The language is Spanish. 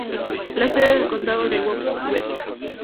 La sede del condado es Waukesha.